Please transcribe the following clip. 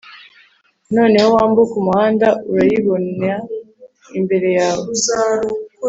noneho wambuke umuhanda urayibona imbere yawe